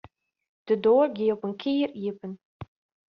De doar gie op in kier iepen.